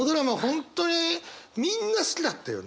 本当にみんな好きだったよね。